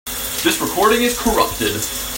This recording is corrupted.